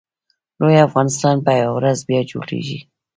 لوی افغانستان به یوه ورځ بیا جوړېږي